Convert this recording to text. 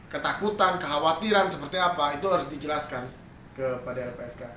ketakutan kekhawatiran seperti apa itu harus dijelaskan kepada lpsk